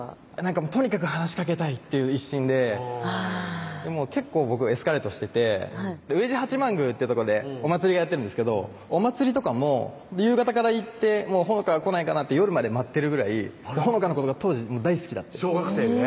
とにかく話しかけたいっていう一心で結構僕エスカレートしてて上地八幡宮ってとこでお祭りやってるんですけどお祭りとかも夕方から行って帆香が来ないかなって夜まで待ってるぐらい帆香のことが当時大好きだった小学生で？